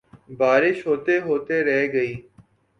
بارش ہوتے ہوتے رہ گئی